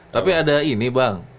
tapi ada ini bang